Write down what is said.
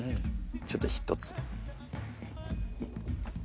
ちょっと１つ。